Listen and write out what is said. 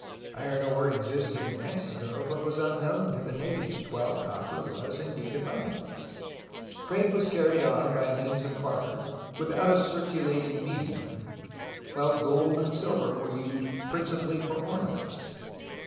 Iron ore existed in Mexico, but was unknown to the na tives, while copper was indeed abundant. Trade was carried on by means of barter, without a circulating medium, while gold and silver were used principally for ornaments.